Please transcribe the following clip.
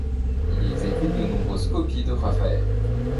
Il y exécute de nombreuses copies de Raphaël.